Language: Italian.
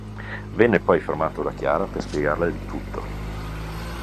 Viene poi fermato da Chiara per spiegarle il tutto.